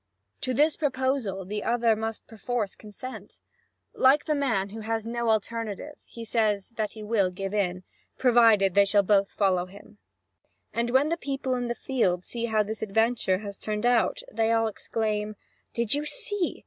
To this proposal the other must perforce consent. Like the man who has no alternative, he says that he will give in, provided they both shall follow him. And when the people in the field see how this adventure has turned out, they all exclaim: "Did you see?